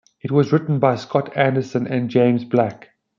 It was written by Scott Anderson and James Black.